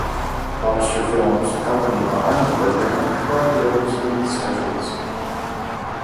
Lobster Films, the company behind the program, currently holds these titles.